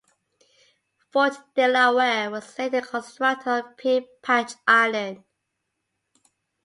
Fort Delaware was later constructed on Pea Patch Island.